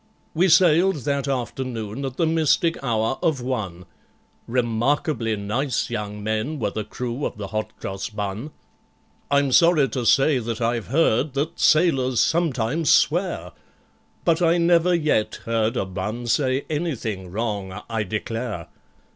We sailed that afternoon at the mystic hour of one,— Remarkably nice young men were the crew of the Hot Cross Bun, I'm sorry to say that I've heard that sailors sometimes swear, But I never yet heard a Bun say anything wrong, I declare.